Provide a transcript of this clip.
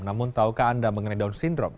namun tahukah anda mengenai down syndrome